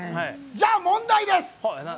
じゃあ問題です。